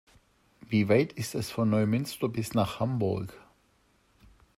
Wie weit ist es von Neumünster bis nach Hamburg?